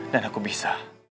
dan aku bisa